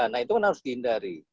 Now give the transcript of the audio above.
nah itu kan harus dihindari